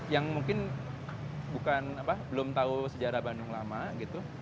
yang mungkin bukan belum tahu sejarah bandung lama gitu